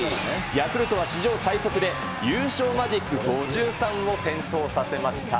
ヤクルトは史上最速で、優勝マジック５３を点灯させました。